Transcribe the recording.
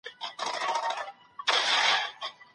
خو په ما پسې زلمي ته به ډېر ګران وي